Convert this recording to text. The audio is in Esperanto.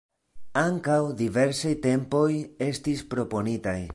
Ankaŭ diversaj tempoj estis proponitaj.